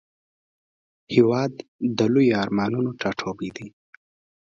هېواد د لویو ارمانونو ټاټوبی دی.